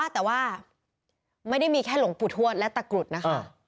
แต่ว่าไม่ได้มีแค่หลวงปู่ทวดและตะกรุดนะคะ